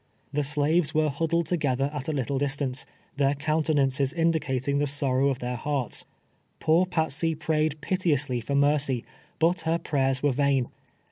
The slaves were huddled together at a lit tle distance, their countenances indicating the sorrow of their hearts. Poor Patsey prayed piteously for mercy, but her prayers were vain.